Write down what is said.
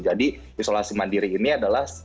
jadi isolasi mandiri ini adalah